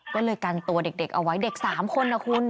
ก็เลยกันตัวเด็กเอาไว้เด็ก๓คนนะคุณ